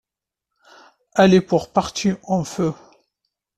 Elle est pour partie en feu.